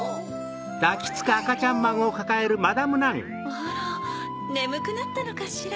あらねむくなったのかしら？